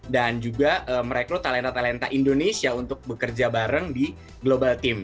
dan juga merekrut talenta talenta indonesia untuk bekerja bareng di global team